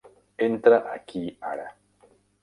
Entra aquí ara.